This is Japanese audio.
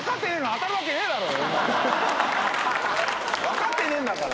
わかってねえんだから。